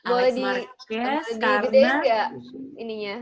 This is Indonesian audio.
boleh di debutin gak ininya